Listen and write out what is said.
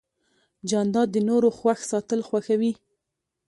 جانداد د نورو خوښ ساتل خوښوي.